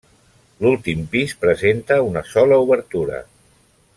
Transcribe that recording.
L'últim pis presenta una sola obertura.